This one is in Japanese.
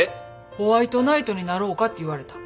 ホワイトナイトになろうかって言われた。